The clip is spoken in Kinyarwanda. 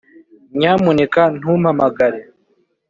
nyamuneka ntumpamagare